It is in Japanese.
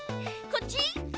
こっち？」